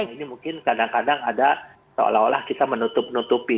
ini mungkin kadang kadang ada seolah olah kita menutup nutupi